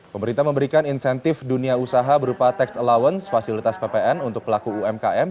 pemerintah memberikan insentif dunia usaha berupa tax allowance fasilitas ppn untuk pelaku umkm